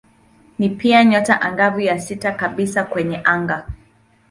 Ni pia nyota angavu ya sita kabisa kwenye anga.